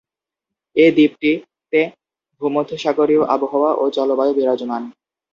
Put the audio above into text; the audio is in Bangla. এ দ্বীপটিতে ভূমধ্যসাগরীয় আবহাওয়া ও জলবায়ু বিরাজমান।